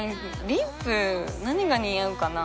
リップ何が似合うかな？